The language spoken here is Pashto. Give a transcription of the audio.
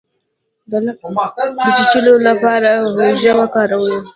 د لړم د چیچلو لپاره هوږه وکاروئ